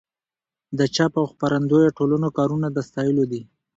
د چاپ او خپرندویه ټولنو کارونه د ستایلو دي.